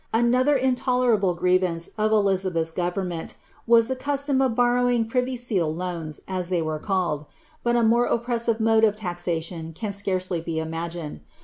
Another intolerable grievance of Elizabeth's government was the cus tom of borrowing privy seal loans, as they were called ; but a more op pressive mode of taxation can scarcely be imagined.